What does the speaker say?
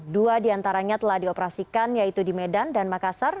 dua diantaranya telah dioperasikan yaitu di medan dan makassar